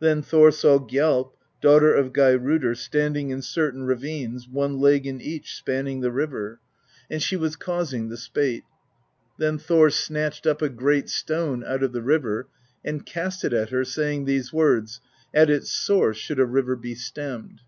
"Then Thor saw Gjalp, daughter of Geirrodr, stand ing in certain ravines, one leg in each, spanning the river, THE POESY Of SKALDS 123 and she was causing the spate. Then Thor snatched up a great stone out of the river and cast it at her, saying these words: ^At its source should a river be stemmed.'